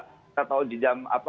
kita tahu di dalam apa